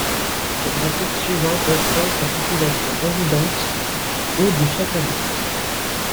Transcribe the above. Le graphique suivant reprend sa population résidente au de chaque année.